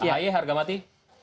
ahae harga mati